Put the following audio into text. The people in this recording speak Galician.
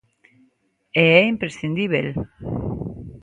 E é imprescindíbel.